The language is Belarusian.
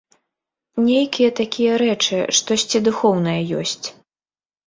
Нейкія такія рэчы, штосьці духоўнае ёсць.